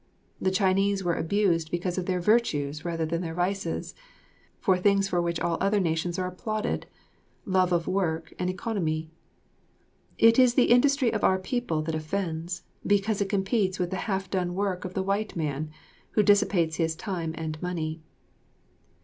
The Chinese were abused because of their virtues rather than their vices, for things for which all other nations are applauded love of work and economy. It is the industry of our people that offends, because it competes with the half done work of the white man, who dissipates his time and money.